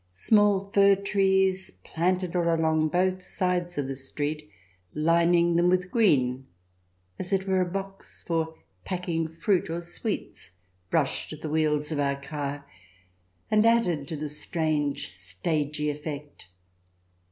Small fir trees, planted all along both sides of the street, lining them with green, as it were a box for packing fruit or sweets, brushed the wheels of our car and added to the strange stagey effect.